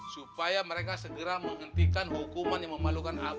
supaya mereka segera menghentikan hukuman yang memalukan ama ama umi